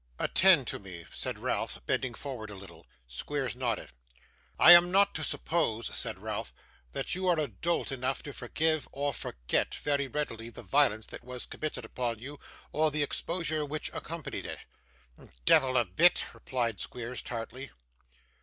'Attend to me,' said Ralph, bending forward a little. Squeers nodded. 'I am not to suppose,' said Ralph, 'that you are dolt enough to forgive or forget, very readily, the violence that was committed upon you, or the exposure which accompanied it?' 'Devil a bit,' replied Squeers, tartly.